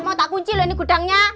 mau tak kunci loh ini gudangnya